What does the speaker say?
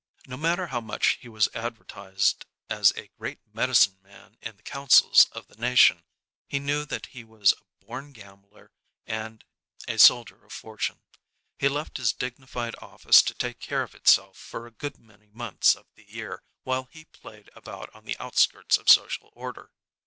No matter how much he was advertised as a great medicine man in the councils of the nation, he knew that he was a born gambler and a soldier of fortune. He left his dignified office to take care of itself for a good many months of the year while he played about on the outskirts of social order.